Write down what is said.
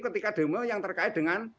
ketika demo yang terkait dengan